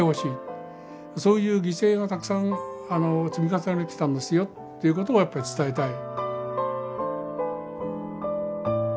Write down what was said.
そういう犠牲がたくさん積み重ねてきたんですよということをやっぱり伝えたい。